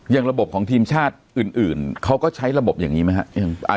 ระบบของทีมชาติอื่นเขาก็ใช้ระบบอย่างนี้ไหมครับ